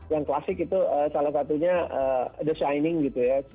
yang klasik itu salah satunya the signing gitu ya